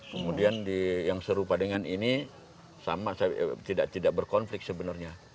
kemudian yang serupa dengan ini sama tidak berkonflik sebenarnya